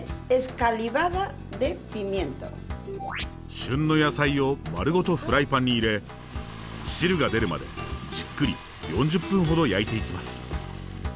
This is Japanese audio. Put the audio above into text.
旬の野菜を丸ごとフライパンに入れ汁が出るまでじっくり４０分ほど焼いていきます。